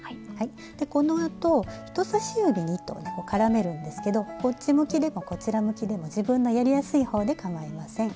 でこのあと人さし指に糸を絡めるんですけどこっち向きでもこちら向きでも自分のやりやすい方でかまいません。